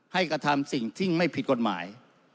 กระทำสิ่งที่ไม่ผิดกฎหมาย